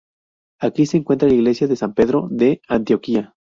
Aquí se encuentra la iglesia de San Pedro de Antioquía.